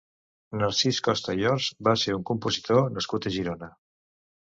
Narcís Costa i Horts va ser un compositor nascut a Girona.